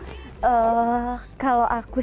dari ujung rambut sampai ujung kaki itu